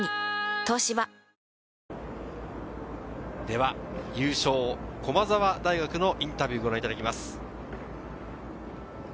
東芝優勝・駒澤大学のインタビューをご覧いただきます。